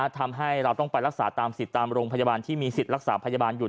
ทำให้เราต้องไปรักษาตามสิทธิ์ตามโรงพยาบาลที่มีสิทธิ์รักษาพยาบาลอยู่